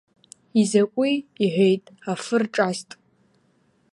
Изакәи, — иҳәеит, афы рҿаст!